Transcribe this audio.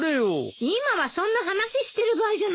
今はそんな話してる場合じゃないでしょ？